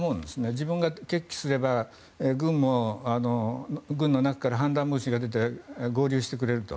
自分が決起すれば軍の中から反乱分子が出て合流してくれると。